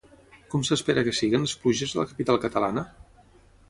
Com s'espera que siguin les pluges a la capital catalana?